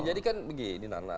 jadi kan begini nana